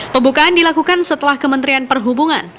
pembukaan dilakukan setelah kementerian perhubungan